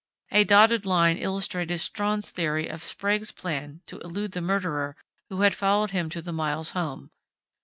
A dotted line illustrated Strawn's theory of Sprague's plan to elude the murderer who had followed him to the Miles home.